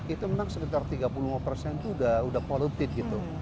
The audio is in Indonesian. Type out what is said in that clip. itu memang sekitar tiga puluh lima persen itu sudah polutit gitu